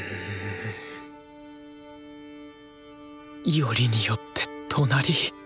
よりによって隣。